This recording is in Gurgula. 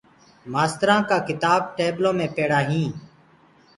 مآسترآنٚ ڪآ ڪِتآب ٽيبلو مينٚ پيڙآ هينٚ۔